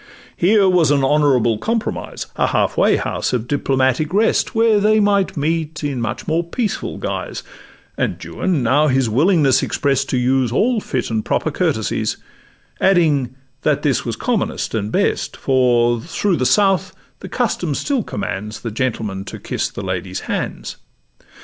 Here was an honourable compromise, A half way house of diplomatic rest, Where they might meet in much more peaceful guise; And Juan now his willingness exprest To use all fit and proper courtesies, Adding, that this was commonest and best, For through the South the custom still commands The gentleman to kiss the lady's hands.